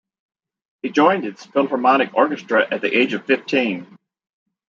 He joined its Philharmonic Orchestra at the age of fifteen.